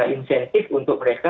insentif untuk mereka